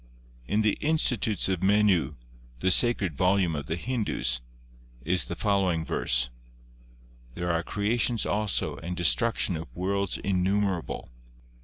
In the "Institutes of Menu," the sacred volume of the Hindus, is the following verse : "There are creations also and destruction of worlds innumerable.